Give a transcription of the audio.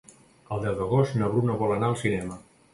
El deu d'agost na Bruna vol anar al cinema.